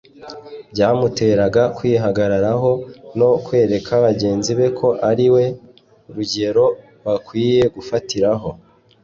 byamuteraga kwihagararaho no kwereka bagenzi be ko ari we rugero bakwiye gufatiraho